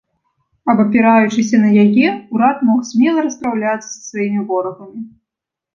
Абапіраючыся на яе, урад мог смела распраўляцца са сваімі ворагамі.